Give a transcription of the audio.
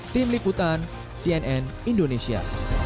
tim liputan cnn indonesia